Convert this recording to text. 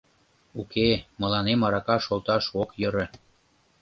Уке, мыланем арака шолташ ок йӧрӧ.